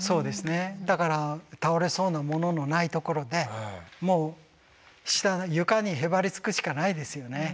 だから倒れそうなもののないところでもう床にへばりつくしかないですよね